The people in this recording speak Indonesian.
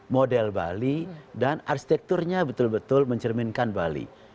model bali dan arsitekturnya betul betul mencerminkan bali